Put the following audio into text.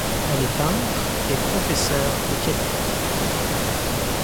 Elle est peintre et professeure au Québec.